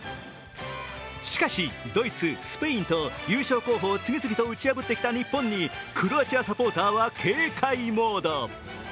しかし、ドイツ、スペインと優勝候補を次々と打ち破ってきた日本にクロアチアサポーターは警戒モード。